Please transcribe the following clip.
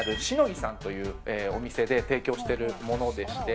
木さんというお店で提供してるものでして。